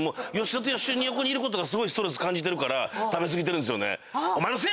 吉田横にいることがすごいストレス感じてるから食べ過ぎてるんですよね。